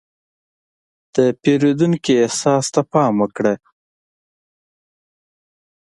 د پیرودونکي احساس ته پام وکړه.